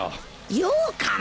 ようかん？